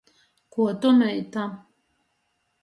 Kuo tu meita?